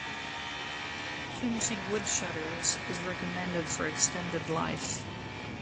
Finishing wood shutters is recommended for extended life.